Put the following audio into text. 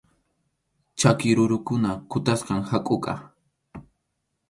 Ch’aki rurukuna kutasqam hakʼuqa.